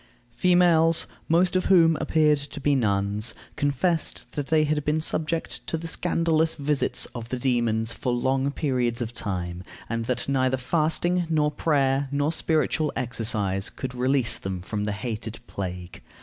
Females, most of whom appeared to be nuns, confessed that they had been subject to the scandalous visits of the demons for long periods of time, and that neither fasting, nor prayer, nor spiritual exercise could release them from the hated plague.